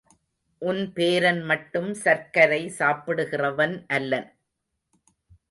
உன் பேரன் மட்டும் சர்க்கரை சாப்பிடுகிறவன் அல்லன்.